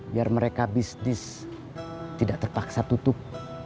biar mereka bisnis tidak terpaksa tutup